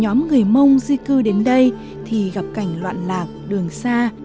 nhóm người mông di cư đến đây thì gặp cảnh loạn lạc đường xa